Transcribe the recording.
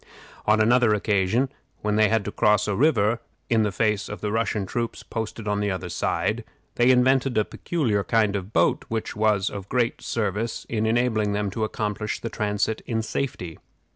On another occasion, when they had to cross a river in the face of the Russian troops posted on the other side, they invented a peculiar kind of boat, which was of great service in enabling them to accomplish the transit in safety.